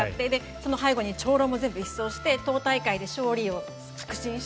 その背後の長老も一掃して党大会で勝利して